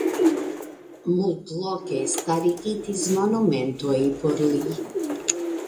Multloke starigitis monumentoj por li.